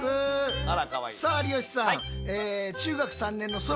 さあ有吉さん。